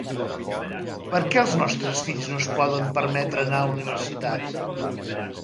Per què els nostres fills no es poden permetre anar a la universitat?.